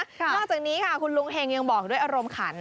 นอกจากนี้ค่ะคุณลุงเฮงยังบอกด้วยอารมณ์ขัน